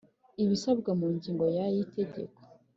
Ibisabwa mu ngingo ya y itegeko